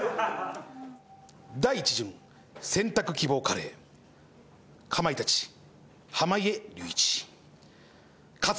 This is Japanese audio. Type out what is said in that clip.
第１巡選択希望カレーかまいたち濱家隆一。